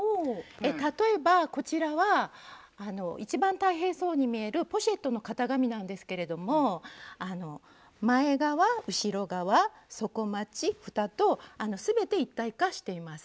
例えばこちらは一番大変そうに見えるポシェットの型紙なんですけれども前側後ろ側底まちふたと全て一体化しています。